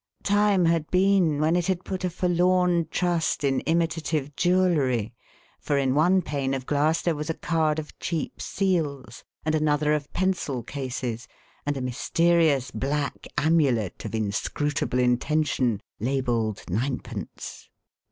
Time had been when it had put a forlorn trust in imitative jewellery, for in one pane of glass there was a card of cheap seals, and another of pencil cases, and a mysterious black amulet of inscrutable intention, labelled ninepence.